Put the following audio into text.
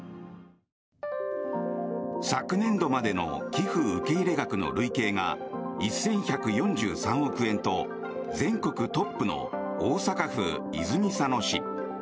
昨年度までの寄付受け入れ額の累計が、１１４３億円と全国トップの大阪府泉佐野市。